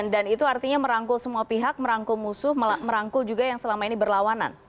dan itu artinya merangkul semua pihak merangkul musuh merangkul juga yang selama ini berlawanan